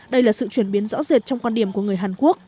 đây là sự chuyển biến rõ rệt trong quan điểm của người hàn quốc